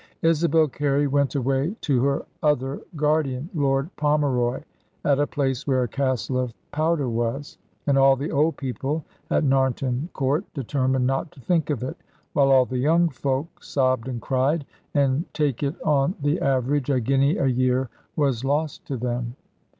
Isabel Carey went away to her other guardian, Lord Pomeroy, at a place where a castle of powder was; and all the old people at Narnton Court determined not to think of it; while all the young folk sobbed and cried; and take it on the average, a guinea a year was lost to them.